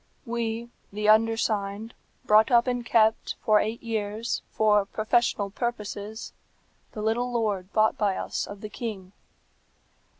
"We, the undersigned, brought up and kept, for eight years, for professional purposes, the little lord bought by us of the king.